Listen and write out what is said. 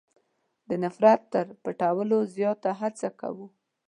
د نفرت تر پټولو زیاته هڅه کوو.